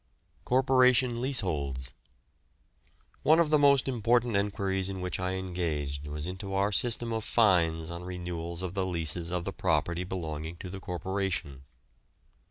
CORPORATION LEASEHOLDS. One of the most important enquiries in which I engaged was into our system of fines on renewals of the leases of the property belonging to the Corporation.